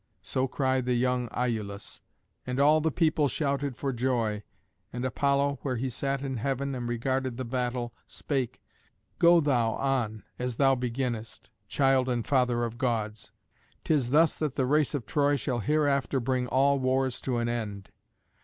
So cried the young Iülus, and all the people shouted for joy. And Apollo, where he sat in heaven and regarded the battle, spake, "Go thou on as thou beginnest, child and father of gods: 'tis thus that the race of Troy shall hereafter bring all wars to an end."